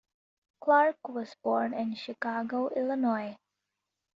Clark was born in Chicago, Illinois.